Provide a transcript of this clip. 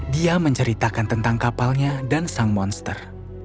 dia menceritakan tentang kapalnya dan sang monster